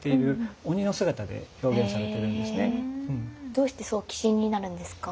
どうして鬼神になるんですか？